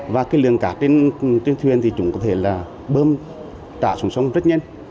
và cái lượng cát trên thuyền thì chúng có thể là bơm trả xuống sông rất nhanh